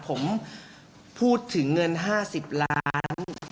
ผมพูดถึงเงิน๕๐ล้าน